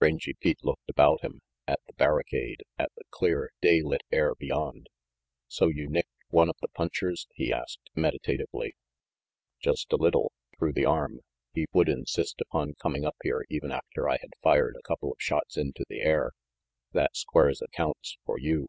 Rangy Pete looked about him at the barricade, at the clear, day lit air beyond. "So you nicked one of the punchers?" he asked meditatively. "Just a little. Through the arm. He would insist upon coming up here even after I had fired a couple of shots into the air. That squares accounts for you."